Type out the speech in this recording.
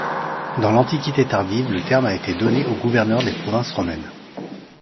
Dans l'antiquité tardive le terme a été donné aux gouverneurs des provinces romaines.